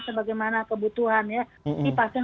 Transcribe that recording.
sebagaimana kebutuhan ya ini pasien